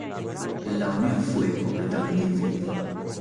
La unión fue completamente infeliz.